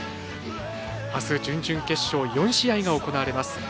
あす、準々決勝４試合が行われます。